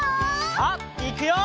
さあいくよ！